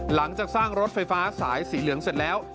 หลังจากสร้างรถไฟฟ้าสายสีเหลืองเสร็จแล้ว